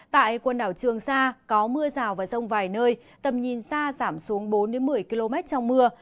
tại quần đảo trường sa có mưa rào và rông vài nơi tầm nhìn xa giảm xuống bốn một mươi km trong mưa